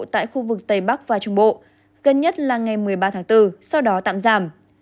tại khu vực tây bắc và trung bộ gần nhất là ngày một mươi ba tháng bốn sau đó tạm giảm